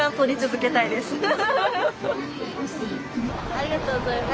ありがとうございます。